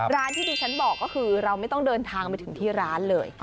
ร้านที่ดิฉันบอกก็คือเราไม่ต้องเดินทางไปถึงที่ร้านเลย